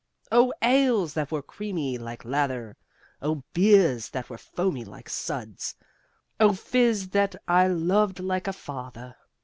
O ales that were creamy like lather! O beers that were foamy like suds! O fizz that I loved like a father!